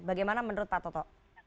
bagaimana menurut pak toto